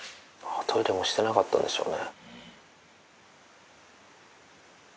トイレもしてなかったんでしょうね。